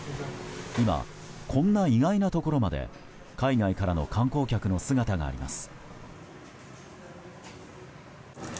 今、こんな意外なところまで海外からの観光客の姿があります。